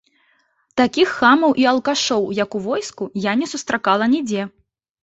Такіх хамаў і алкашоў, як у войску, я не сустракала нідзе!